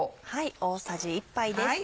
大さじ１杯です。